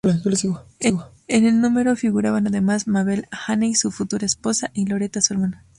En el número figuraban además Mabel Haney, su futura esposa, y Loretta, su hermana.